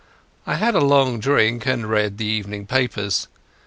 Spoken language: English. I had a long drink, and read the evening papers.